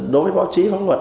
đối với báo chí pháp luật